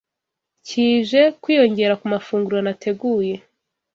kije kwiyongera ku mafunguro nateguye